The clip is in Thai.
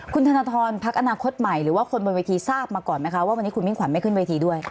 คุณธนทรพักอนาคตใหม่หรือว่าคนบนเวทีทราบมาก่อนไหมคะว่าวันนี้คุณมิ่งขวัญไม่ขึ้นเวทีด้วย